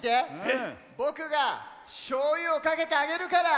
ぼくがしょうゆをかけてあげるから！